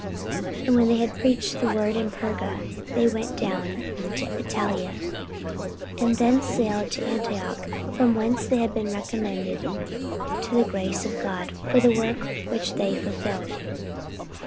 44:014:025 And when they had preached the word in Perga, they went down into Attalia: 44:014:026 And thence sailed to Antioch, from whence they had been recommended to the grace of God for the work which they fulfilled.